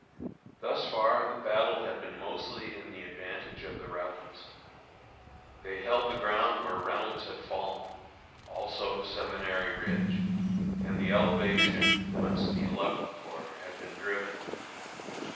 Thus far the battle had been mostly in the advantage of the Rebels. They held the ground where Reynolds had fallen, also Seminary Ridge, and the elevation whence the Eleventh Corps had been driven.